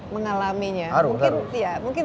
mengalaminya harus mungkin